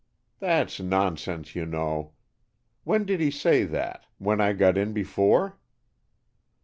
"That's nonsense, you know. When did he say that, when I got in before?"